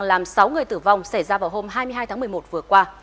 làm sáu người tử vong xảy ra vào hôm hai mươi hai tháng một mươi một vừa qua